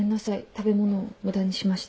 食べ物を無駄にしました。